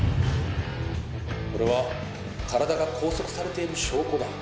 これは体が拘束されている証拠だ。